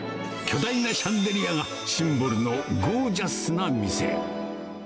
巨大なシャンデリアがシンボルのゴージャスな店。